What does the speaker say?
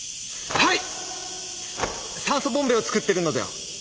はい。